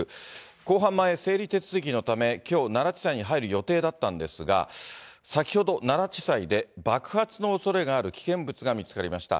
公判前整理手続きのため、きょう、奈良地裁に入る予定だったんですが、先ほど奈良地裁で、爆発のおそれがある危険物が見つかりました。